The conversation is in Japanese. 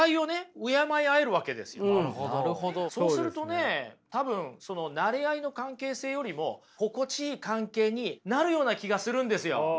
そうするとね多分なれ合いの関係性よりも心地いい関係になるような気がするんですよ。